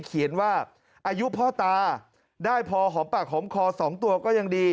เขียนว่าอายุพ่อตาได้พอหอมปากหอมคอ๒ตัวก็ยังดี